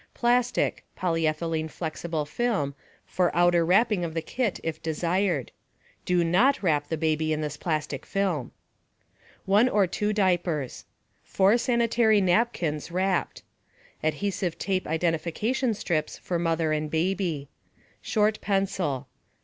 Plastic (polyethylene flexible film) for outer wrapping of the kit if desired. (Do not wrap the baby in this plastic film.) One or two diapers. Four sanitary napkins (wrapped). Adhesive tape identification strips for mother and baby. Short pencil.